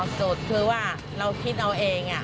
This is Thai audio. สูตรคือว่าเราคิดเอาเอง